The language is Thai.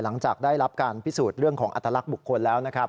หลังจากได้รับการพิสูจน์เรื่องของอัตลักษณ์บุคคลแล้วนะครับ